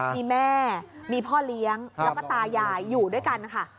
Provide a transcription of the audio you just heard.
มีแม่มีพ่อเลี้ยงแล้วก็ตายายอยู่ด้วยกันค่ะ